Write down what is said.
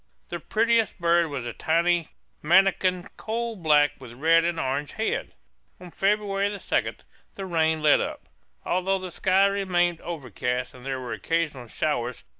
The prettiest bird was a tiny manakin, coal black, with a red and orange head. On February 2 the rain let up, although the sky remained overcast and there were occasional showers.